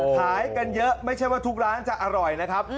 ขายกันเยอะไม่ใช่ว่าทุกร้านจะอร่อยนะครับ